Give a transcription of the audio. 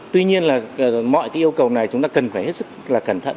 tuy nhiên là mọi cái yêu cầu này chúng ta cần phải hết sức là cẩn thận